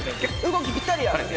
動きぴったりや！